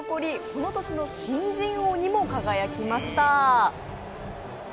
この年の新人王にも輝きました。